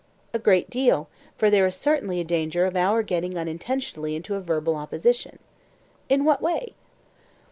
A great deal; for there is certainly a danger of our getting unintentionally into a verbal opposition. In what way?